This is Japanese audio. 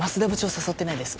誘ってないです